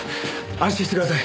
安心してください。